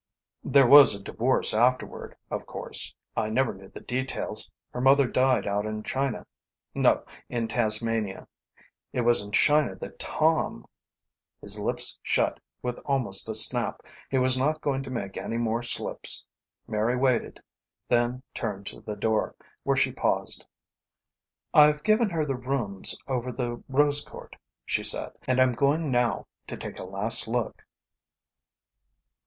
"There was a divorce afterward, of course. I never knew the details. Her mother died out in China no; in Tasmania. It was in China that Tom " His lips shut with almost a snap. He was not going to make any more slips. Mary waited, then turned to the door, where she paused. "I've given her the rooms over the rose court," she said. "And I'm going now to take a last look."